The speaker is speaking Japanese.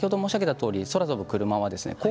先ほど申し上げたとおり空飛ぶクルマは